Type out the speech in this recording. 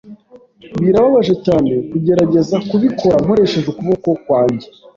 Birababaje cyane kugerageza kubikora nkoresheje ukuboko kwanjye.